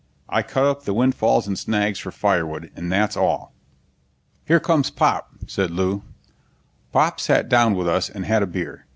I cut up the windfalls and snags for firewood, and that's all." "Here comes Pop," said Lew. Pop sat down with us and had a beer.